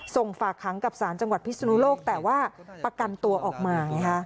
ฝากค้างกับสารจังหวัดพิศนุโลกแต่ว่าประกันตัวออกมาไงฮะ